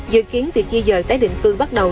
dự kiến việc di dời tái định cư bắt đầu